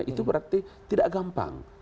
itu berarti tidak gampang